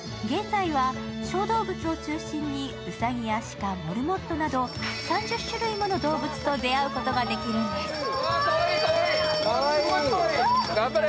現在は小動物を中心にうさぎや鹿、モルモットなど３０種類もの動物と出会うことができるんです。